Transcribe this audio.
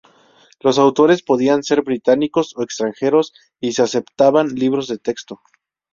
Los autores podían ser británicos o extranjeros y se aceptaban libros de texto.